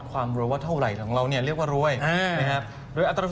ความรวยว่าเท่าไหร่ของเราเนี่ยเรียกว่ารวยนะครับหรืออัตรา